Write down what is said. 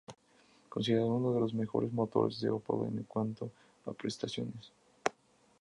Considerado uno de los mejores motores de Opel en cuanto a prestaciones.